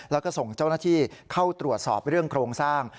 แล้วก็ส่งเจ้าหน้าที่เข้าตรวจสอบเรื่องโครงสร้าง